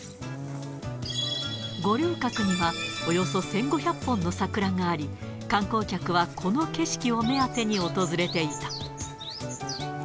五稜郭には、およそ１５００本の桜があり、観光客はこの景色を目当てに訪れていた。